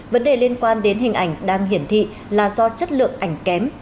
vấn đề liên quan đến hình ảnh đang hiển thị là do chất lượng ảnh kém